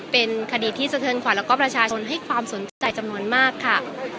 เป็นคดีที่สะเทินขวัญแล้วก็ประชาชนให้ความสนใจจำนวนมากค่ะ